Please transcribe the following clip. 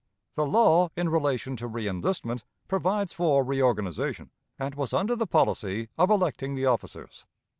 The law in relation to reënlistment provides for reorganization, and was under the policy of electing the officers.